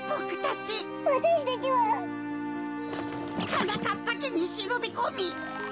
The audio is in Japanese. はなかっぱけにしのびこみ。